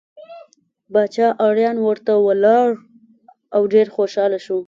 باچا اریان ورته ولاړ او ډېر خوشحاله شو.